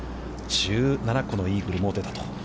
１７個のイーグルも出たと。